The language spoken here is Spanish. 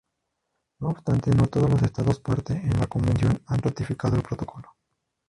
No obstante, no todos los estados parte en la Convención han ratificado el Protocolo.